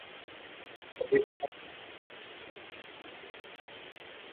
La vida no es un camino de rosas